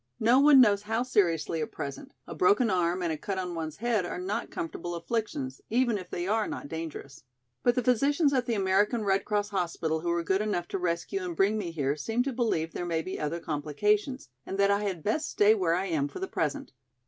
No one knows how seriously at present, a broken arm and a cut on one's head are not comfortable afflictions, even if they are not dangerous. But the physicians at the American Red Cross hospital who were good enough to rescue and bring me here seem to believe there may be other complications and that I had best stay where I am for the present.